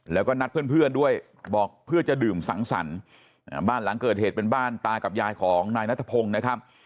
แล้วก็นัดเพื่อนด้วยบอกเพื่อจะดื่มสังสรรค์บ้านหลังเกิดเหตุเป็นบ้านตากับยายของนายนัทพงศ์นะครับ